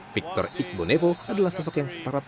victor igbo nevo adalah sosok yang serat